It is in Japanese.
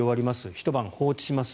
ひと晩放置します